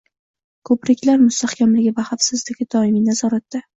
Ko‘priklar mustahkamligi va xavfsizligi doimiy nazoratda